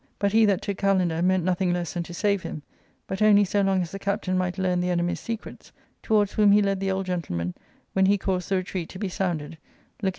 But he that took Kalander meant nothing less than to save him ; but only so long as the captain might learn the enemy's secrets, towards whom he led the old gentleman when he caused the retreat to be sounded, looking